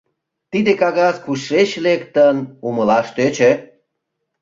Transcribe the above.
Тиде кагаз кушеч лектын, умылаш тӧчӧ.